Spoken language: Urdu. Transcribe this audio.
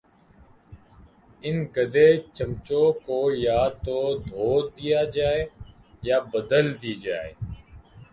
ان گدے چمچوں کو یا تو دھو دیجئے یا بدل دیجئے